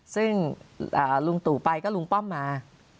ซึ่งลุงตู่ไปก็ลุงป้อมมา